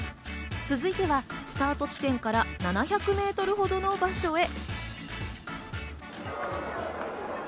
続いてはスタート地点から７００メートルほどの場所へ。